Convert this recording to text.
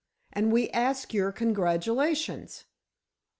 And we ask your congratulations."